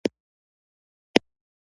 همدغو محصلینو دا ډله بیا را ژوندۍ کړه.